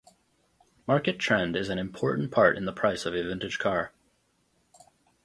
Market trend is an important part in the price of a vintage car.